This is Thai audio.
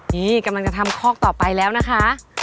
นี่กำลังจะทำคอกต่อไปแล้วนะคะ